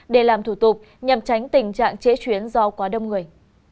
để làm thủ tục nhằm tránh tình trạng chế chuyến do quá đông người